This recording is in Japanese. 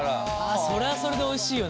それはそれでおいしいよね。